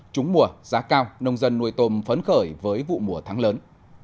trúng mùa giá cao nông dân nuôi tôm phấn khởi với vụ mùa tháng lớn